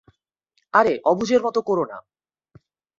আরে, অবুঝের মতো কোরো না।